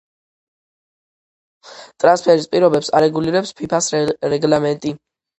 ტრანსფერის პირობებს არეგულირებს ფიფას რეგლამენტი.